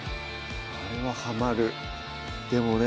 これはハマるでもね